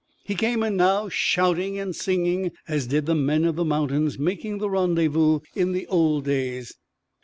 He came in now, shouting and singing, as did the men of the mountains making the Rendezvous in the old days.